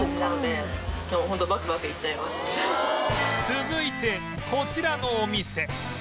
続いてこちらのお店